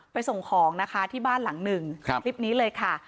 ส่งของนะคะที่บ้านหลังหนึ่งคลิปนี้เลยค่ะ